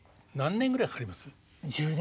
１０年？